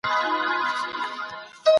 د پوهي په رڼا کي خپل راتلونکی روښانه کړئ.